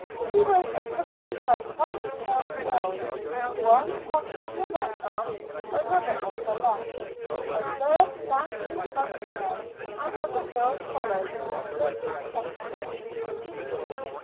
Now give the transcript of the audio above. She was accompanied by quite a tail of girls: one hung on her right arm, another on her left; a third danced in front of her; and other girls followed in a thick procession.